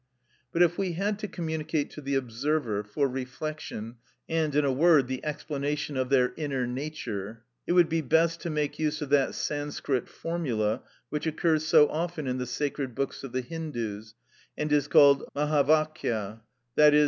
But if we had to communicate to the observer, for reflection, and in a word, the explanation of their inner nature, it would be best to make use of that Sanscrit formula which occurs so often in the sacred books of the Hindoos, and is called Mahavakya, i.e.